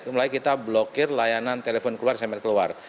mulai kita blokir layanan telepon keluar dan sms keluar